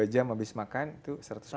dua jam habis makan itu satu ratus lima puluh